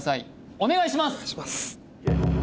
・お願いします